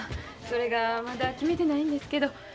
それがまだ決めてないんですけど。